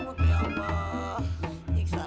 gak pernah lagi loh